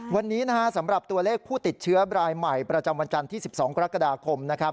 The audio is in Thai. วันนี้สำหรับตัวเลขผู้ติดเชื้อรายใหม่ประจำวันจันทร์ที่๑๒กรกฎาคม